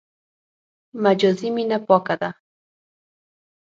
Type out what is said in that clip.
مجازي مینه پاکه ده.